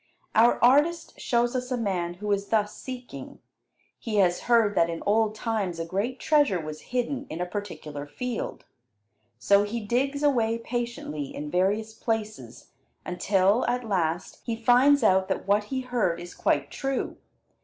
Our artist shows us a man who is thus seeking. He has heard that in old times a great treasure was hidden in a particular field. So he digs away patiently in various places until, at last, he finds out that what he heard is quite true.